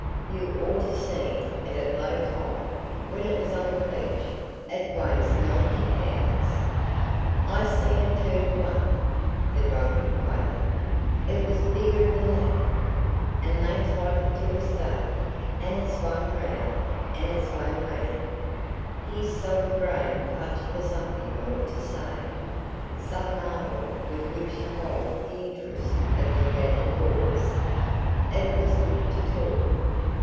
You orter've seen it at low tide when it was on the beach. It weighs ninety pounds." "I seen a turtle onct," the drunkard quavered. "It was bigger'n that. En they tied it to a stake en it swam round en it swam round ." His sodden brain clutched for something more to say, some marvel with which to hold the interest of the gathered boys. It was good to talk.